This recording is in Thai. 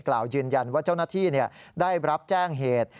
กล่าวยืนยันว่าเจ้าหน้าที่ได้รับแจ้งเหตุ